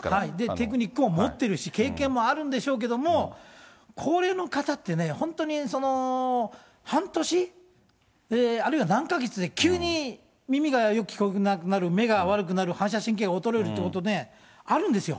テクニックも持ってるし、経験もあるんでしょうけれども、高齢の方ってね、本当に、半年、あるいは何か月で急に耳がよく聞こえなくなる、目が悪くなる、反射神経が衰えるっていうことね、あるんですよ。